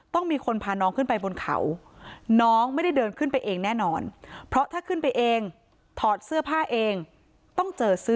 ต้องมีคนพาน้องขึ้นไปบนเขาน้องไม่ได้เดินขึ้นไปเองแน่นอน